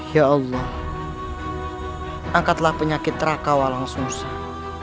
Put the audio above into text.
ya allah angkatlah penyakit raka walang susah